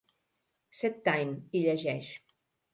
"Set time", hi llegeix.